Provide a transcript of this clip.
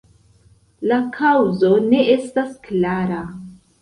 La kaŭzo ne estas klara.